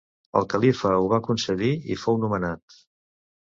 El califa ho va concedir i fou nomenat.